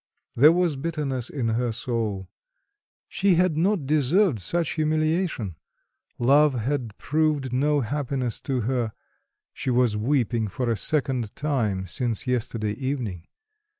There was bitterness in her soul. She had not deserved such humiliation. Love had proved no happiness to her: she was weeping for a second time since yesterday evening.